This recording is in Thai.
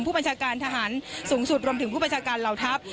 ผู้บัญชาการทหารสูงสุดรวมถึงผู้บัญชาการเหล่าทัพ